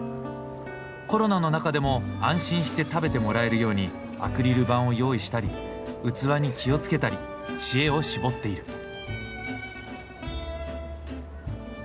コロナの中でも安心して食べてもらえるようにアクリル板を用意したり器に気を付けたり知恵を絞っている。